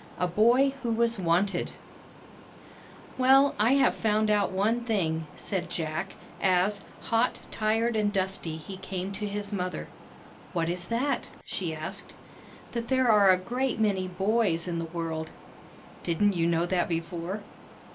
A BOY WHO WAS WANTED "Well, I have found out one thing," said Jack as, hot, tired, and dusty, he came to his mother. "What is that?" she asked. "That there are a great many boys in the world." "Didn't you know that before?"